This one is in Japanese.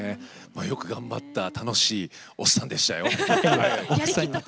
よく頑張った、楽しいおっさんでしたよ。